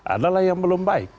adalah yang belum baik